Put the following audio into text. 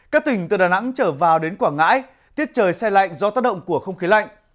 các tỉnh từ đà nẵng trở vào đến quảng ngãi tiết trời xe lạnh do tác động của không khí lạnh